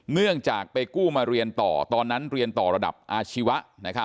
เนื่องจากไปกู้มาเรียนต่อตอนนั้นเรียนต่อระดับอาชีวะ